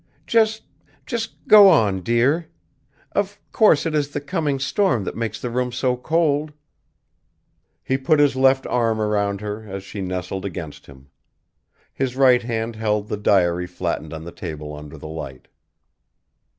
"Just, just go on, dear. Of course it is the coming storm that makes the room so cold." He put his left arm around her as she nestled against him. His right hand held the diary flattened on the table under the light.